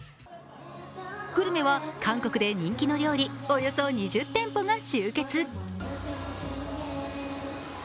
グルメは韓国で人気の料理、およそ２０店舗が集結。